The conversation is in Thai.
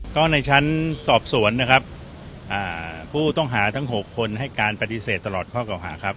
ก็ในชั้นสอบสวนนะครับผู้ต้องหาทั้ง๖คนให้การปฏิเสธตลอดข้อเก่าหาครับ